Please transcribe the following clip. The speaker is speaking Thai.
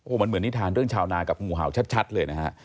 มันเหมือนนิทานเรื่องชาวนากับงูเห่าชัดเลยนะฮะ